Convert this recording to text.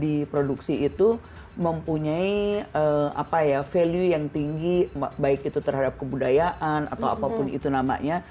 di produksi itu mempunyai value yang tinggi baik itu terhadap kebudayaan atau apapun itu namanya